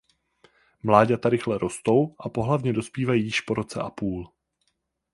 Mláďata rychle rostou a pohlavně dospívají již po roce a půl.